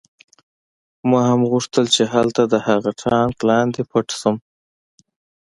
ما هم غوښتل چې هلته د هغه ټانک لاندې پټ شم